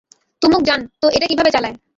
তুমক জান তো এটা কিভাবে চালায়?